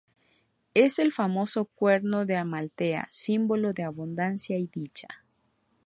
Es el famoso cuerno de Amaltea, símbolo de abundancia y dicha.